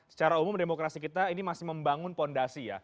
secara umum demokrasi kita ini masih membangun fondasi ya